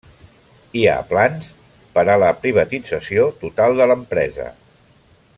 Hi ha plans per a la privatització total de l'empresa.